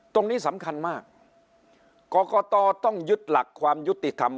ตรงนี้สำคัญมากกรกตต้องยึดหลักความยุติธรรม